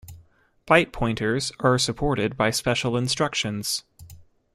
Byte pointers are supported by special instructions.